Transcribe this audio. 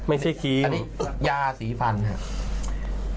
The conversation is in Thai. อันนี้ยาสีฟันครับ